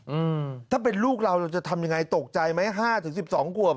อืมถ้าเป็นลูกเราเราจะทำยังไงตกใจไหมห้าถึงสิบสองขวบ